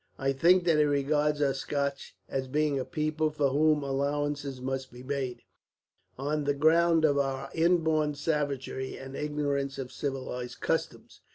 I think that he regards us Scots as being a people for whom allowances must be made, on the ground of our inborn savagery and ignorance of civilized customs.